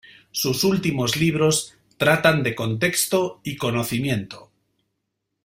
Sus últimos libros tratan de contexto y conocimiento.